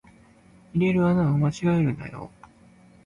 入れる穴を間違えるなよ